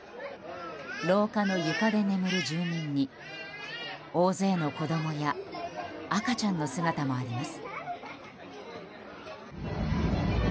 廊下の床で眠る住民に大勢の子供や赤ちゃんの姿もあります。